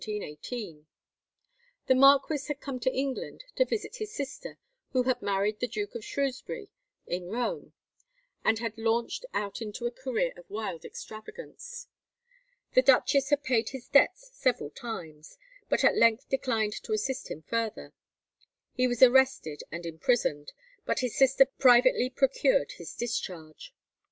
The marquis had come to England to visit his sister, who had married the Duke of Shrewsbury in Rome, and had launched out into a career of wild extravagance. The duchess had paid his debts several times, but at length declined to assist him further. He was arrested and imprisoned, but his sister privately procured his discharge.